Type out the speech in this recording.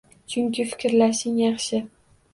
Chunki fikrlashing yaxshi